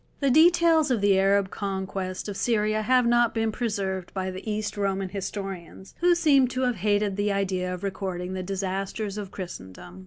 The details of the Arab conquest of Syria have not been preserved by the East Roman historians, who seem to have hated the idea of recording the disasters of Christendom.